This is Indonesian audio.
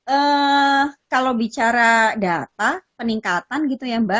ee kalau bicara data peningkatan gitu ya mba